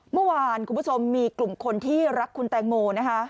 เมื่อวานคุณผู้ชมมีกลุ่มคนที่รักคุณแตงโมนะคะ